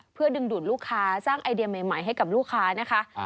เพื่อดึงดูดลูกค้าสร้างไอเดียใหม่ให้กับลูกค้านะคะ